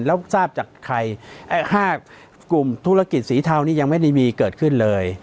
แล้วทราบจากใคร๕กลุ่มธุรกิจสีเทานี้ยังไม่ได้มีเกิดขึ้นเลย